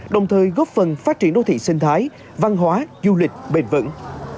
đồng thời góp phần phát triển đô thị sinh thái văn hóa du lịch bền vững